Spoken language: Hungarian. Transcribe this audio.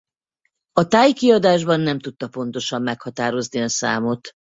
A thai kiadásban nem tudta pontosan meghatározni a számot.